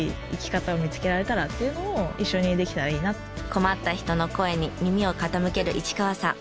困った人の声に耳を傾ける市川さん。